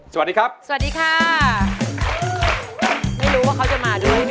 สวัสดีครับ